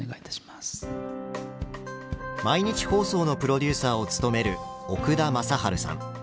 毎日放送のプロデューサーを務める奥田雅治さん。